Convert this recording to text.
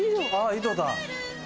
井戸だ。